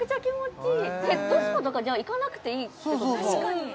ヘッドスパとかじゃあ行かなくていいってこと？